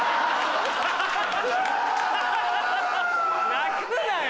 泣くなよ！